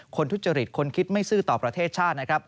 ทุจริตคนคิดไม่ซื่อต่อประเทศชาตินะครับ